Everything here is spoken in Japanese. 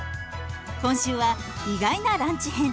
今週は意外なランチ編。